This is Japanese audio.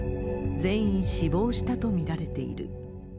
全員死亡したと見られている。